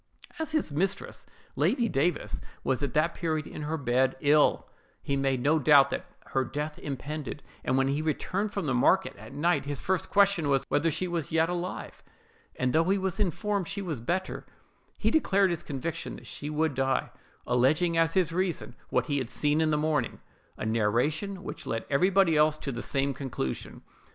As his mistress, Lady Davis, was at that period in her bed, ill, he made no doubt that her death impended; and when he returned from the market at night, his first question was, whether she was yet alive: and though he was informed she was better, he declared his conviction that she would die, alleging as his reason what he had seen in the morning—a narration which led everybody else to the same conclusion.